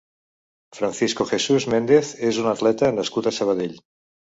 Francisco Jesús Méndez és un atleta nascut a Sabadell.